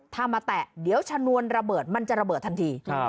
ถ้ามาแตะเดี๋ยวชนวนระเบิดมันจะระเบิดทันที